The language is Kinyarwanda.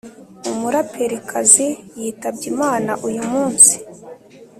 Umuraperikazi yitabye Imana uyu munsi